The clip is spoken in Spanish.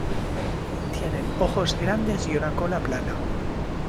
Tienen ojos grandes y una cola plana.